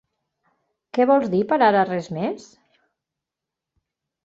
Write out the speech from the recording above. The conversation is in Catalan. Què vols dir per ara res més?